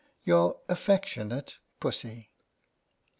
Your affectionate PUSSY.